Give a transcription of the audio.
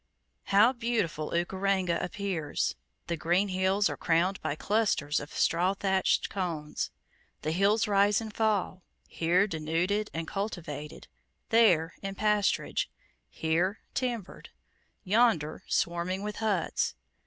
How beautiful Ukaranga appears! The green hills are crowned by clusters of straw thatched cones. The hills rise and fall; here denuded and cultivated, there in pasturage, here timbered, yonder swarming with huts.